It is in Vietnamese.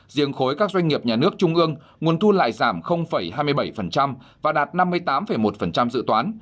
riêng khối các doanh nghiệp nhà nước trung ương nguồn thu lại giảm hai mươi bảy và đạt năm mươi tám một dự toán